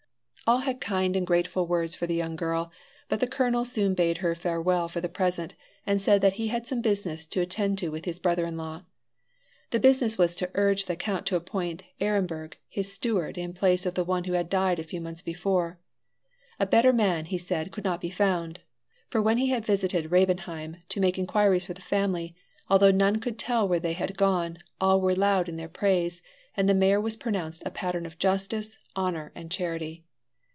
All had kind and grateful words for the young girl, but the colonel soon bade her farewell for the present, and said that he had some business to attend to with his brother in law. This business was to urge the count to appoint Ehrenberg his steward in place of the one who had died a few months before. A better man, he said, could not be found; for when he had visited Rebenheim to make inquiries for the family, although none could tell where they had gone, all were loud in their praise, and the mayor was pronounced a pattern of justice, honor and charity.